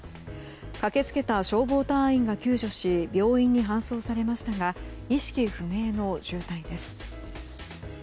駆け付けた消防隊員が救助し病院に搬送されましたが意識不明の重体です。